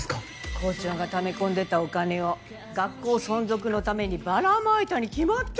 校長がため込んでたお金を学校存続のためにばらまいたに決まってるじゃないの。